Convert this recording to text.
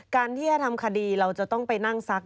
การที่จะทำคดีเราจะต้องไปนั่งซัก